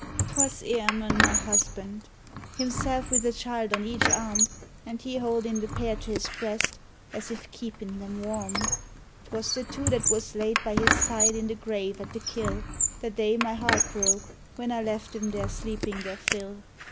'Twas Emun, my husband, himself, wid a child on each arm, An' he houldin' the pair to his breast as if keepin' them warm. MAURY'S VISION 87 'Twas the two that was laid by his side in the grave at the kille The day my heart broke whin I left thim there sleepin' their fill.